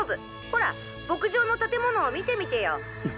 ほら牧場の建物を見てみてよ。